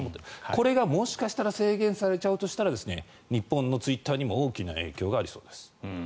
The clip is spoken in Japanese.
これがもしかしたら制限されちゃうとしたら日本のツイッターにも大きな影響がありそうです。